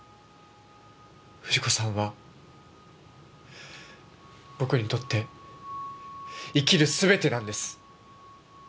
藤子さんは僕にとって生きる全てなんです。